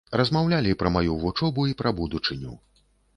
Размаўлялі пра маю вучобу і пра будучыню.